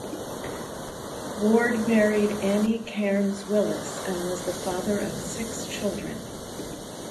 Ward married Annie Cairns Willis and was the father of six children.